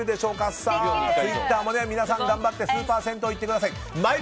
ツイッターも皆さん頑張ってスーパー銭湯行ってください。